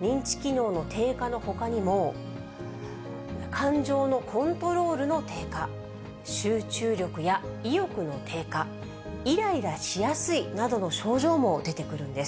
認知機能の低下のほかにも、感情のコントロールの低下、集中力や意欲の低下、いらいらしやすいなどの症状も出てくるんです。